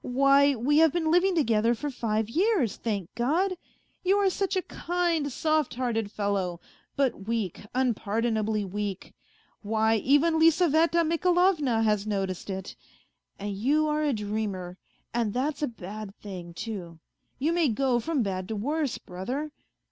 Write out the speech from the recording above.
Why, we have been living together for five years, thank God 1 You are such a kind, .soft hearted fellow, but weak, unpardonably weak. Why, even Lizaveta Mikalovna has noticed it. And you are a dreamer, and that's a bad thing, too ; you may go from bad to worse, brother.